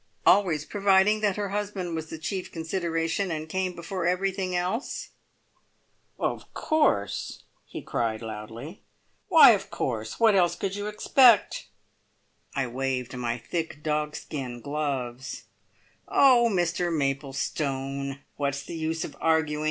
"Always providing that her husband was the chief consideration, and came before everything else?" "Of course!" he cried loudly. "Why, of course! What else could you expect?" I waved my thick dogskin gloves. "Oh, Mr Maplestone, what is the use of arguing?